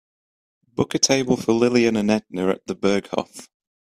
book a table for lillian and edna at The Berghoff